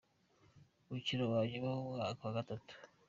Umukino wa nyuma n’umwanya wa Gatatu.